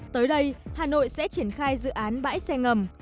tới đây hà nội sẽ triển khai dự án bãi xe ngầm